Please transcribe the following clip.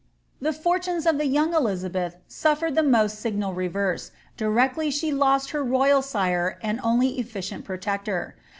The fortunes of the young Elizabeth suflered the most signal rererse, directly she lost her royal sire and only efficient protector.